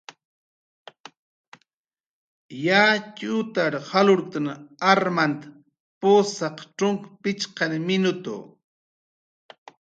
Yatxutar jalurktn armant pusaq cxunk pichqani minutu.